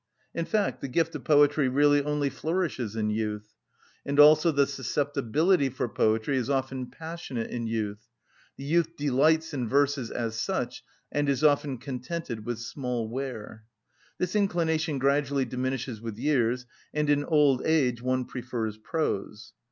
In fact, the gift of poetry really only flourishes in youth; and also the susceptibility for poetry is often passionate in youth: the youth delights in verses as such, and is often contented with small ware. This inclination gradually diminishes with years, and in old age one prefers prose.